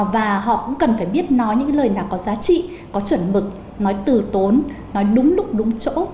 và họ cũng cần phải biết nói những lời nào có giá trị có chuẩn mực nói từ tốn nói đúng lúc đúng chỗ